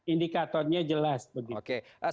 indikatornya jelas begitu